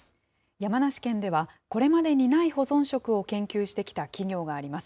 山梨県ではこれまでにない保存食を研究してきた企業があります。